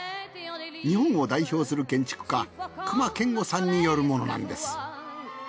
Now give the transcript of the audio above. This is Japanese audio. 日本を代表する建築家隈研吾さんによるものなんです。